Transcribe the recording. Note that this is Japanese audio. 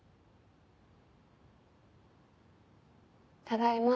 ただいま。